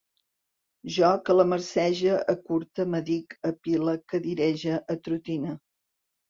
Jo calamarsege, acurte, m'adic, apile, cadirege, atrotine